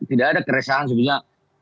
tidak ada keresahan sebenarnya